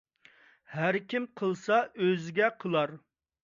ھەركىم قىلسا ئۆزىگە قىلار.